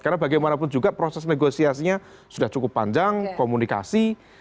karena bagaimanapun juga proses negosiasinya sudah cukup panjang komunikasi